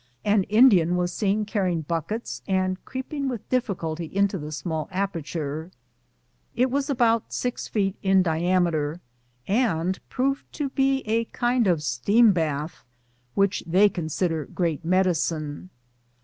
An Indian was seen carrying buck ets and creeping with difficulty into the small aperture. It was about six feet in diameter, and proved to be a kind of steam bath, which they consider great medicine.